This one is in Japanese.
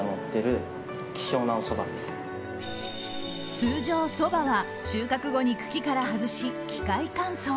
通常、そばは収穫後に茎から外し機械乾燥。